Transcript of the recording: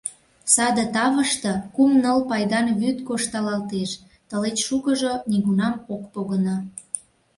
Саде тавыште кум-ныл пайдан вӱд кошталалтеш, тылеч шукыжо нигунам ок погыно.